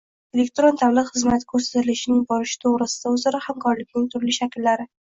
elektron davlat xizmati ko‘rsatilishining borishi to‘g‘risida o‘zaro hamkorlikning turli shakllari